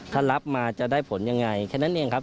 ถ้ารับมาจะได้ผลยังไงแค่นั้นเองครับ